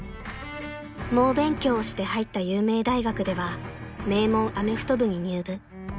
［猛勉強をして入った有名大学では名門アメフト部に入部］